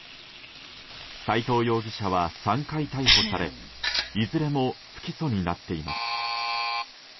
斎藤容疑者は３回逮捕されいずれも不起訴になっています。